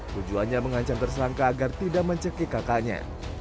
tujuannya mengancam tersangka agar tidak mencekik kakaknya